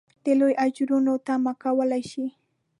د لویو اجرونو تمه کولای شي.